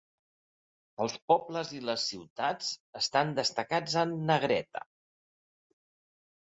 Els pobles i les ciutats estan destacats en negreta.